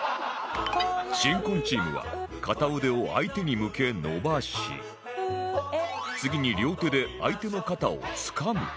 新婚チームは片腕を相手に向け伸ばし次に両手で相手の肩をつかむという解答